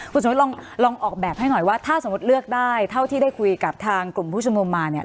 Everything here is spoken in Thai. คุณสมมุติลองออกแบบให้หน่อยว่าถ้าสมมุติเลือกได้เท่าที่ได้คุยกับทางกลุ่มผู้ชุมนุมมาเนี่ย